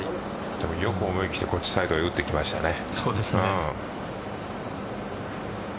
でもよく思い切ってこっちサイドに打ってきましたね。